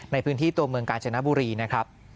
ในพื้นที่ตัวเมืองกาญจนบุรีนะครับ